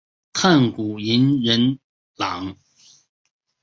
炭谷银仁朗。